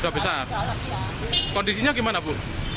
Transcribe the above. sudah besar kondisinya gimana bu